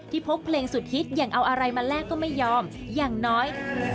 พกเพลงสุดฮิตอย่างเอาอะไรมาแลกก็ไม่ยอมอย่างน้อย